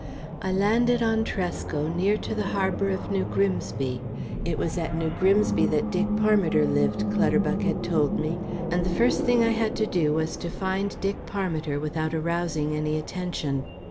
I landed on Tresco near to the harbour of New Grimsby. It was at New Grimsby that Dick Parmiter lived, Clutterbuck had told me, and the first thing I had to do was to find Dick Parmiter without arousing any attention.